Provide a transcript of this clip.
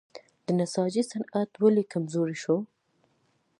د نساجي صنعت ولې کمزوری شو؟